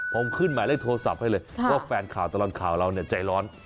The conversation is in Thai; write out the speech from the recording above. ผมขึ้นหมายเลขโทรศัพท์ให้เลยว่าแฟนข่าวตลอดข่าวเราเนี่ยใจร้อน